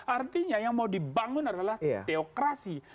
artinya yang mau dibangun adalah teokrasi